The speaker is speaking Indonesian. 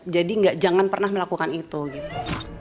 jadi jangan pernah melakukan itu gitu